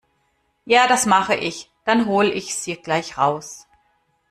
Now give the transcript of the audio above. Ja, das mache ich. Dann hol sie gleich raus.